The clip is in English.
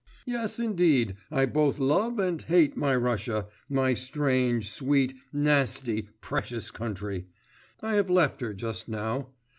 Yes, indeed, I both love and hate my Russia, my strange, sweet, nasty, precious country. I have left her just now.